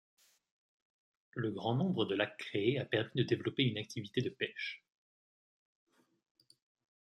Le grand nombre de lacs créés a permis de développer une activité de pêche.